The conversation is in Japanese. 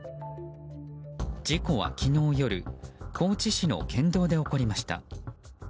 事故は昨日夜高知市の県道で起こりました。